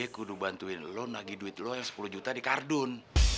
kudu bantuin lo nagi duit lo yang sepuluh juta di kardun